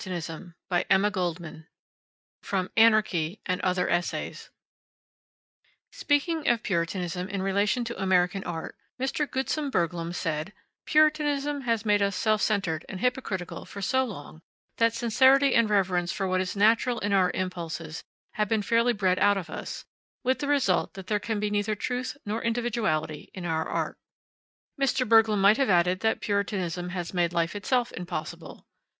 MOTHER EARTH, December, 1909. THE HYPOCRISY OF PURITANISM Speaking of Puritanism in relation to American art, Mr. Gutzen Burglum said: "Puritanism has made us self centered and hypocritical for so long, that sincerity and reverence for what is natural in our impulses have been fairly bred out of us, with the result that there can be neither truth nor individuality in our art." Mr. Burglum might have added that Puritanism has made life itself impossible.